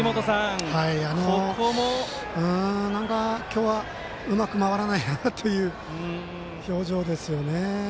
なんか今日はうまく回らないなという表情ですよね。